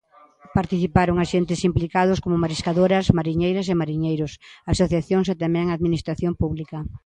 Participaron axentes implicados como mariscadoras, mariñeiras e mariñeiros, asociacións e tamén a administración pública.